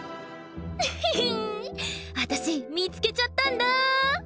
ふふん私見つけちゃったんだ。